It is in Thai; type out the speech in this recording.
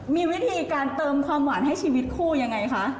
มีวิธีการเติมความหวานให้ชีวิตคู่ยังไงคะ